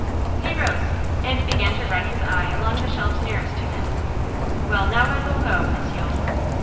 He rose, and began to run his eye along the shelves nearest to him. 'Well, now I will go, Miss Yule.